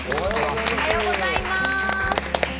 おはようございます。